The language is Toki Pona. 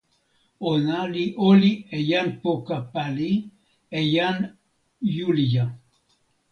ona li olin e jan poka pali, e jan Julija.